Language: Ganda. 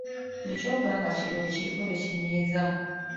Buli ky’okola nga kirungi kiriko be kinyiiza.